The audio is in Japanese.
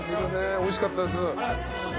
おいしかったです。